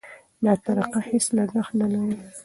دا طریقه هېڅ لګښت نه لري.